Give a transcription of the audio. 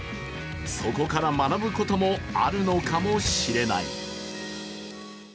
そこから学ぶこともあるのかもしれない。